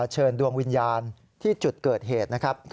เชิญดวงวิญญาณที่จุดเกิดเหตุนะครับ